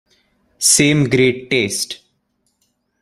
Same great taste.